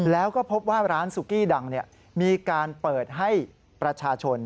แล้วก็พบว่าร้านสุกี้ดังมีการเปิดให้ประชาชน